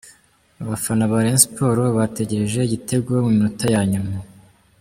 Abafana ba Rayon Sports bategereje igitego mu minota ya nyuma.